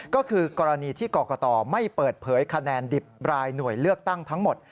ก็คือกรณีที่กรกตไม่เปิดเผยคะแนนดิบรายหน่วยเลือกตั้งทั้งหมด